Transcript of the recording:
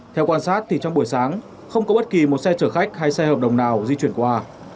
theo quan sát thì trong buổi sáng không có bất kỳ một xe chở khách hay xe hợp đồng nào di chuyển qua